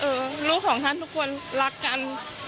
ลูกของท่านทุกคนรักกัน